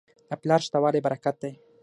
د پلار شته والی برکت دی.